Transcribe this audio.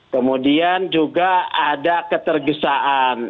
kemudian juga ada ketergesaan